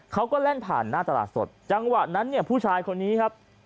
แล่นผ่านหน้าตลาดสดจังหวะนั้นเนี่ยผู้ชายคนนี้ครับ